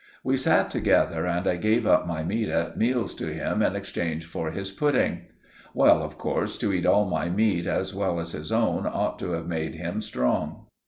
We sat together, and I gave up my meat at meals to him in exchange for his pudding. Well, of course, to eat all my meat as well as his own ought to have made him strong.